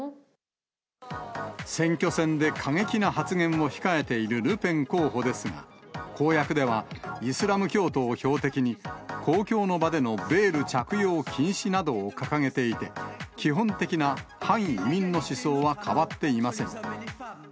選挙戦で過激な発言を控えているルペン候補ですが、公約ではイスラム教徒を標的に、公共の場でのベール着用禁止などを掲げていて、基本的な反移民の思想は変わっていません。